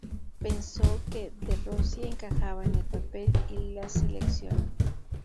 Pensó que De Rossi encajaba en el papel y la seleccionó.